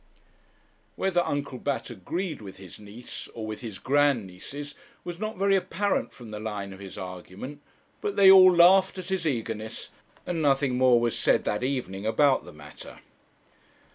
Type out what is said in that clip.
Whether Uncle Bat agreed with his niece or with his grand nieces was not very apparent from the line of his argument; but they all laughed at his eagerness, and nothing more was said that evening about the matter.